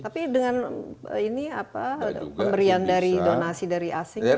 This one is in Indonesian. tapi dengan ini apa pemberian dari donasi dari asing